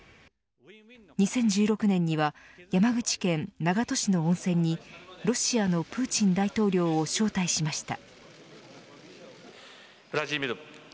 ２０１６年には山口県長門市の温泉にロシアのプーチン大統領を招待しました。